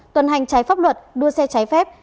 tuần hành trái pháp luật đua xe trái phép